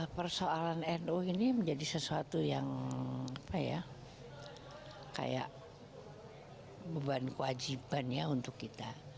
persoalan nu ini menjadi sesuatu yang kayak beban kewajiban ya untuk kita